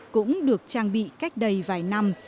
cũng được trang bị cách đây vài năm